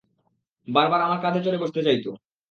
বারবার আমার কাঁধে চড়ে বসতে চাইত!